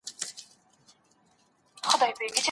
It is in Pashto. که ږیره لرونکی سړی ډوډۍ او مڼه را نه وړي، وږي به سو.